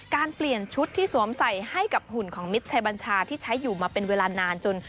เปลี่ยนชุดที่สวมใส่ให้กับหุ่นของมิตรชัยบัญชาที่ใช้อยู่มาเป็นเวลานานจน